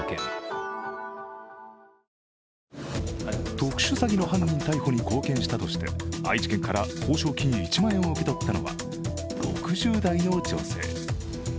特殊詐欺の犯人逮捕に貢献したとして愛知県から報奨金１万円を受け取ったのは６０代の女性。